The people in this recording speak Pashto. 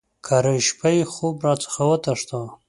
کرۍ شپه یې خوب را څخه وتښتاوه.